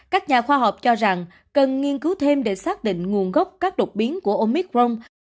các nhà khoa học cho rằng cần nghiên cứu thêm để xác định nguồn gốc các đột biến của omicron